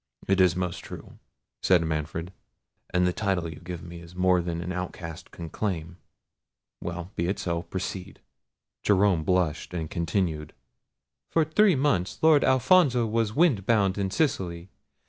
"It is most true," said Manfred; "and the title you give me is more than an outcast can claim—well! be it so—proceed." Jerome blushed, and continued. "For three months Lord Alfonso was wind bound in Sicily.